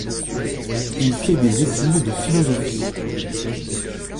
Il fait des études de philosophie.